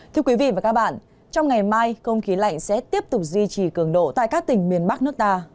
thưa quý vị và các bạn trong ngày mai không khí lạnh sẽ tiếp tục duy trì cường độ tại các tỉnh miền bắc nước ta